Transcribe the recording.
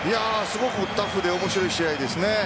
すごくタフで面白い試合ですね。